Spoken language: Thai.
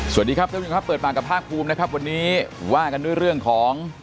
สวัสดีครับท่านผู้ชมครับเปิดปากกับภาคภูมินะครับวันนี้ว่ากันด้วยเรื่องของ